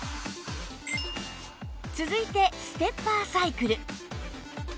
続いてステッパーサイクル